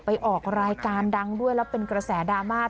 ออกรายการดังด้วยแล้วเป็นกระแสดราม่า